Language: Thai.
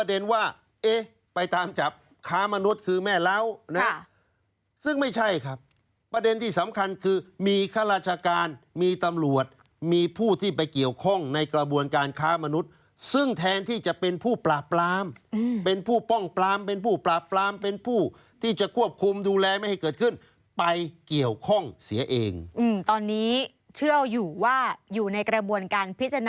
ว่าเอ๊ะไปตามจับค้ามนุษย์คือแม่เล้านะซึ่งไม่ใช่ครับประเด็นที่สำคัญคือมีข้าราชการมีตำรวจมีผู้ที่ไปเกี่ยวข้องในกระบวนการค้ามนุษย์ซึ่งแทนที่จะเป็นผู้ปราบปรามเป็นผู้ป้องปรามเป็นผู้ปราบปรามเป็นผู้ที่จะควบคุมดูแลไม่ให้เกิดขึ้นไปเกี่ยวข้องเสียเองตอนนี้เชื่ออยู่ว่าอยู่ในกระบวนการพิจารณา